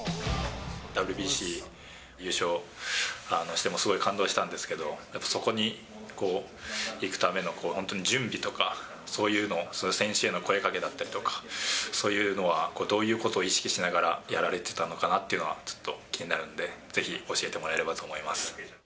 ＷＢＣ優勝してすごい感動したんですけど、やっぱりそこに、いくための、本当に準備とか、そういうの、選手への声かけだったりとか、そういうのはどういうことを意識しながらやられてたのかなっていうのは、ちょっと気になるんで、ぜひ教えてもらえればと思います。